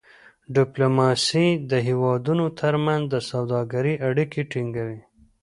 ډيپلوماسي د هېوادونو ترمنځ د سوداګری اړیکې ټینګوي.